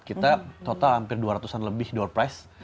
kita total hampir dua ratus an lebih door price